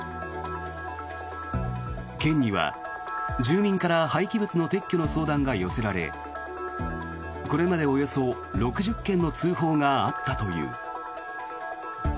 県には住民から廃棄物の撤去の相談が寄せられこれまでおよそ６０件の通報があったという。